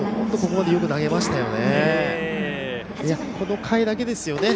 ここまでよく投げましたよね。